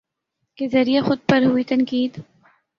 کے ذریعے خود پر ہوئی تنقید